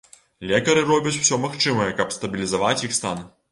Лекары робяць усё магчымае, каб стабілізаваць іх стан.